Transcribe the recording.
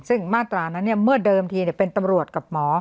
ซึ่งมาตรานั้นเมื่อเดิมทีเป็นตำรวจกับหมอ